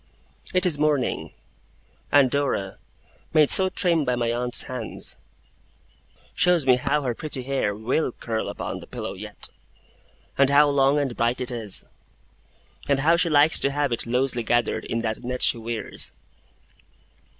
It is morning; and Dora, made so trim by my aunt's hands, shows me how her pretty hair will curl upon the pillow yet, an how long and bright it is, and how she likes to have it loosely gathered in that net she wears.